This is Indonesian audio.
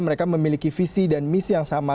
mereka memiliki visi dan misi yang sama